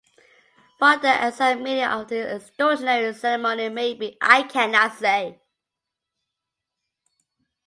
What the exact meaning of this extraordinary ceremony may be, I cannot say.